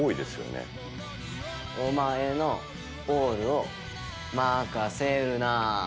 「おまえのオールをまかせるな」。